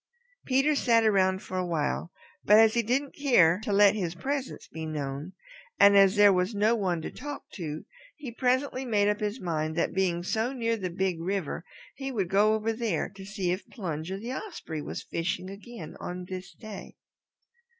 Peter sat around for a while, but as he didn't care to let his presence be known, and as there was no one to talk to, he presently made up his mind that being so near the Big River he would go over there to see if Plunger the Osprey was fishing again on this day.